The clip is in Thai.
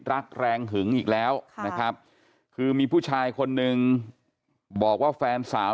รักแรงหึงอีกแล้วนะครับคือมีผู้ชายคนนึงบอกว่าแฟนสาว